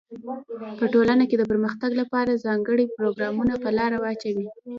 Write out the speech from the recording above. په ټولنه کي د پرمختګ لپاره ځانګړي پروګرامونه په لاره واچوی.